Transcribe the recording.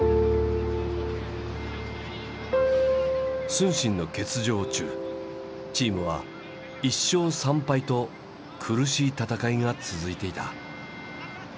承信の欠場中チームは１勝３敗と苦しい戦いが続いていた。